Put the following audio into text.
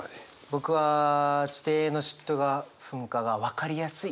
僕は「地底の嫉妬が噴火」が分かりやすい。